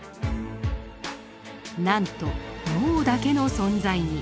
なんと脳だけの存在に。